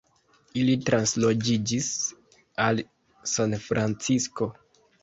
Ili transloĝiĝis al Sanfrancisko.